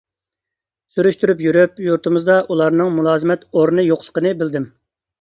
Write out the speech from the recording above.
سۈرۈشتۈرۈپ يۈرۈپ، يۇرتىمىزدا ئۇلارنىڭ مۇلازىمەت ئورنى يوقلۇقىنى بىلدىم.